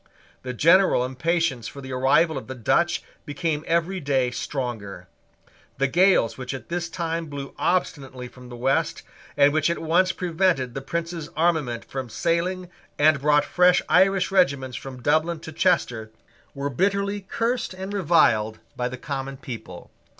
The general impatience for the arrival of the Dutch became every day stronger. The gales which at this time blew obstinately from the west, and which at once prevented the Prince's armament from sailing and brought fresh Irish regiments from Dublin to Chester, were bitterly cursed and reviled by the common people.